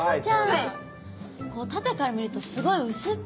縦から見るとすごい薄っぺらいですね。